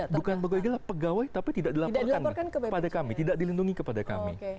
bukan pegawai gila pegawai tapi tidak dilaporkan kepada kami tidak dilindungi kepada kami